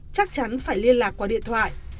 chắc chắn phải liên lạc qua điện thoại